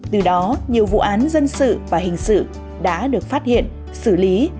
từ đó nhiều vụ án dân sự và hình sự đã được phát hiện xử lý